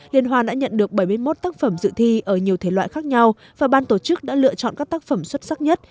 liên hoan đã nhận được bảy mươi một tác phẩm dự thi ở nhiều thể loại khác nhau và ban tổ chức đã lựa chọn các tác phẩm xuất sắc nhất